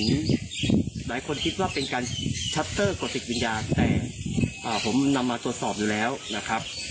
หลายคนคิดว่าเป็นการชัตเตอร์กดติดวิญญาณแต่ผมนำมาตรวจสอบอยู่แล้วนะครับ